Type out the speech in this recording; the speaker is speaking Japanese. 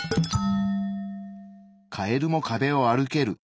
カエルも壁を歩ける。